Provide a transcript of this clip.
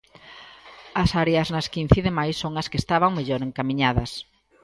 As áreas nas que incide máis son as que estaban mellor encamiñadas.